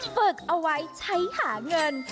ฝึกเอาไว้ใช้หาเงิน